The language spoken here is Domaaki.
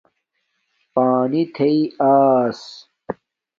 پانی تھیݵ آیس